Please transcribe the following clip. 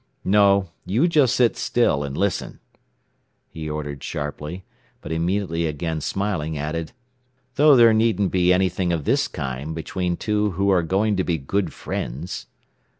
"No. You just sit still and listen," he ordered sharply; but immediately again smiling, added, "though there needn't be anything of this kind between two who are going to be good friends.